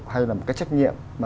hay là một cái trách nhiệm